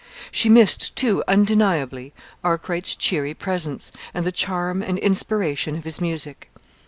She missed, too, undeniably, Arkwright's cheery presence, and the charm and inspiration of his music.